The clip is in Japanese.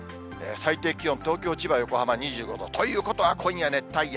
最低気温、東京、千葉、横浜２５度、ということは今夜熱帯夜。